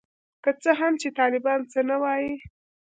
که څه هم چي طالبان څه نه وايي.